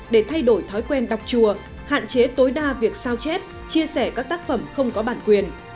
để thay đổi thói quen đọc chùa hạn chế tối đa việc sao chép chia sẻ các tác phẩm không có bản quyền